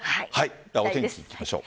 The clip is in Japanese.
では、お天気いきましょう。